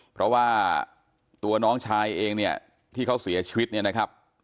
เพราะว่าตัวน้องชายเองเนี่ยที่เขาเสียชีวิตเนี่ยนะครับ